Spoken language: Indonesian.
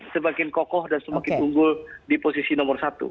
semakin kokoh dan semakin unggul di posisi nomor satu